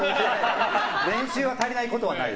練習は足りないことはない。